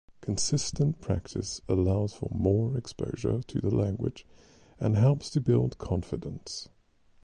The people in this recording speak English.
Consistent practice allows for more exposure to the language and helps to build confidence.